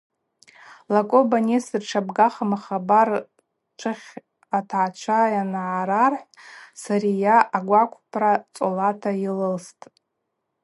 Лакоба Нестор дшабгахым ахабар чӏвыхь атгӏачва йангӏарархӏв Сария агвакъвпра цӏолата йлылстӏ.